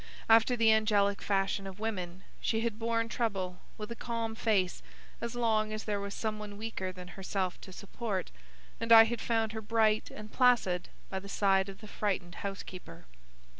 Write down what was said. After the angelic fashion of women, she had borne trouble with a calm face as long as there was some one weaker than herself to support, and I had found her bright and placid by the side of the frightened housekeeper.